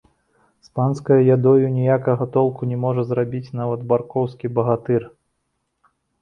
З панскаю ядою ніякага толку не можа зрабіць нават баркоўскі багатыр.